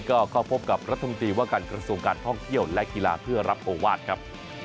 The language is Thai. ก็เข้าพบกับรัฐมนตรีว่าการกระทรวงการท่องเที่ยวและกีฬาเพื่อรับโอวาสครับ